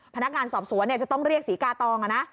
พนักงานสอบสวนจะต้องเรียกศรีกาตอง